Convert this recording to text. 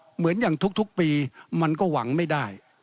เหมือนอย่างทุกปีมันก็หวังไม่ได้